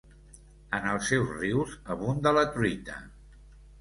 En els seus rius abunda la truita.